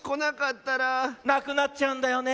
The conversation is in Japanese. なくなっちゃうんだよね